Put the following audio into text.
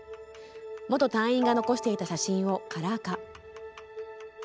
元隊員が残していた写真をカラー化。